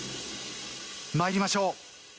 まいりましょう。